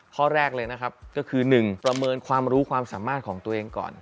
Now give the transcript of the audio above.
ข้อแรกเลยนะครับก็คือ๑ประเมินความรู้ความสามารถของตัวเองก่อน